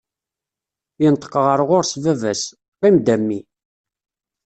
Yenṭeq ɣer ɣur-s baba-s: Qim-d a mmi.